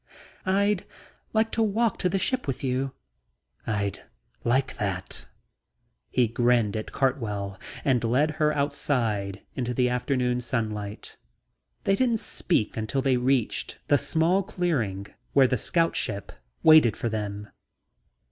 "I'd like to walk to the ship with you." "I'd like that." He grinned at Cartwell and led her outside into the afternoon sunlight. They didn't speak until they reached the small clearing where the scout ship waited for them.